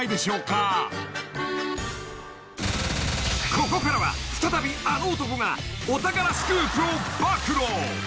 ［ここからは再びあの男がお宝スクープを暴露］